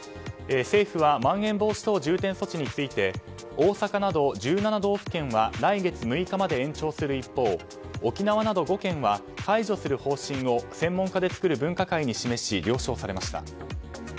政府はまん延防止等重点措置について大阪など１７道府県は来月６日まで延長する一方、沖縄など５県は解除する方針を専門家で作る分科会に示し了承されました。